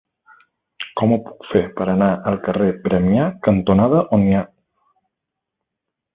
Com ho puc fer per anar al carrer Premià cantonada Onyar?